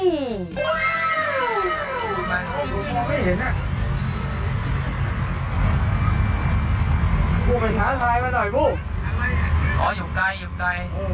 ทุกคนกลับมาไม่เห็นอ่ะ